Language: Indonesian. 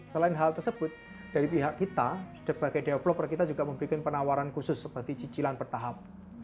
selain hal tersebut dari pihak kita sebagai developer kita juga memberikan penawaran khusus seperti cicilan bertahap